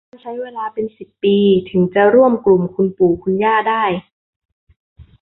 มันใช้เวลาเป็นสิบปีถึงจะร่วมกลุ่มคุณปู่คุณย่าได้